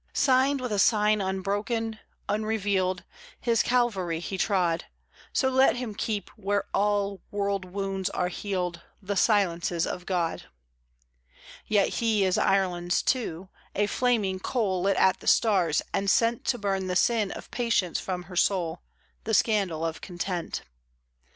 Signed with a sign, unbroken, unrevealed, His Calvary he trod; So let him keep, where all world wounds are healed The silences of God. Yet is he Ireland's too: a flaming coal Lit at the stars, and sent To burn the sin of patience from her soul, The scandal of content.